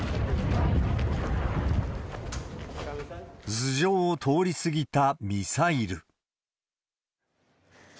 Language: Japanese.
頭上を通り過ぎたミサイル。